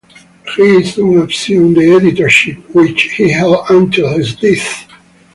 He soon assumed the editorship, which he held until his death.